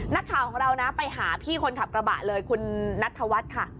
นักข่าวของเรานะไปหาพี่คนขับกระบะเลยคุณนัทธวัฒน์ค่ะ